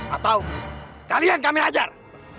atau kalian kami ajar